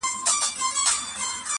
• د غونډیو لوړي څوکي او جګ غرونه -